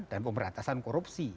dan pemberantasan korupsi